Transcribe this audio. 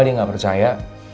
dia gak percaya